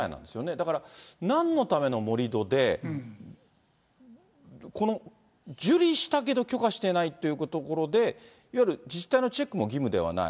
だから、なんのための盛り土で、この受理したけど許可してないというところで、いわゆる自治体のチェックも義務ではない。